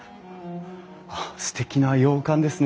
あっすてきな洋館ですね。